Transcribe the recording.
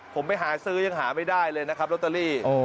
ผมไปหาซื้อยังหาไม่ได้เลยนะครับลอตเตอรี่